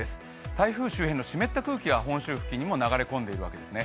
台風周辺の湿った空気が本州付近にも流れ込んでいるんですね。